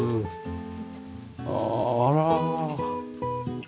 あああら。